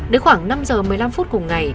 đến khoảng năm giờ một mươi năm phút cùng ngày